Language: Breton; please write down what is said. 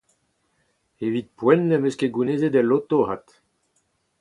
Evit poent ne’m eus ket gounezet el loto avat.